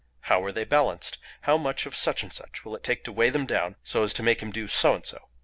How are they balanced? How much of such and such will it take to weigh them down so as to make him do so and so?"